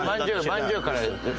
まんじゅうから言って。